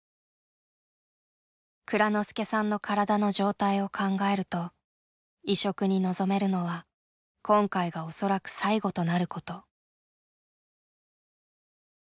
蔵之介さんの体の状態を考えると移植に臨めるのは今回がおそらく最後となること。